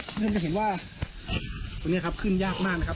คุณผู้ชมจะเห็นว่าตรงนี้ครับขึ้นยากมากนะครับ